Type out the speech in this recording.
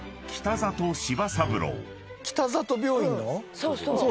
そうそう。